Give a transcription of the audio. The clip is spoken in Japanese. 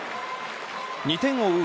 ２点を追う